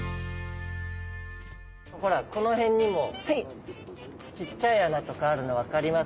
ほらこの辺にもちっちゃい穴とかあるの分かります？